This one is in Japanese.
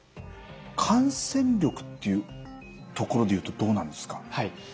感染力っていうところでいうとどうなんですか？